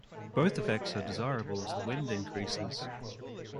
Both effects are desirable as the wind increases.